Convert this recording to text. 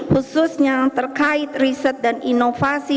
khususnya terkait riset dan inovasi